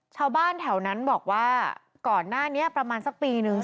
ชาวบ้านแถวนั้นบอกว่าก่อนหน้านี้ประมาณสักปีนึง